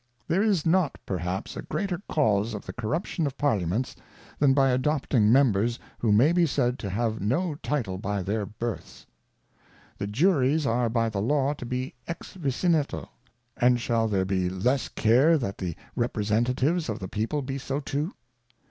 There is not, perhaps, a greater Cause of the Corruption of Pariiaments, than by adopting Members, who may be said to have no title by their Births. .^/ The Juries are by the Law to be E» vicineto; And shall there be less care that the Representatives of the People be so too?